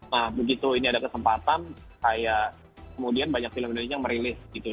nah begitu ini ada kesempatan kayak kemudian banyak film indonesia yang merilis gitu